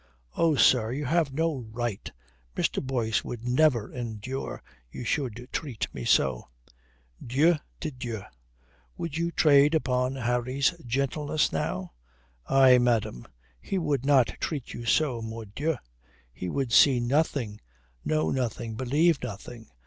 "Oh, sir, you have no right. Mr. Boyce would never endure you should treat me so." "Dieu de dieu! Would you trade upon Harry's gentleness now? Aye, madame, he would not treat you so, mordieu. He would see nothing, know nothing, believe nothing.